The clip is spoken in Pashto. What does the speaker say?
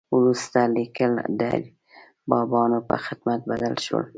وروسته لیکل د اربابانو په خدمت بدل شول.